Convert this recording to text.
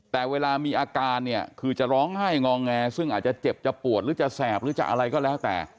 แต่เวลามีอาการเนี่ยคือจะร้องไห้งอแงซึ่งอาจจะเจ็บจะปวดหรือจะแสบหรือจะอะไรก็แล้วแต่